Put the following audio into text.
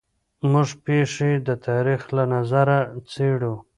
موږ پېښې د تاریخ له نظره څېړو.